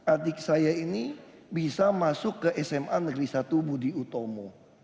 adik saya ini bisa masuk ke sma negeri satu budi utomo